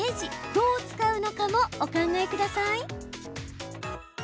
どう使うのかもお考えください。